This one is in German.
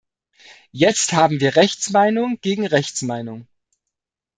Jetzt haben wir Rechtsmeinung gegen Rechtsmeinung.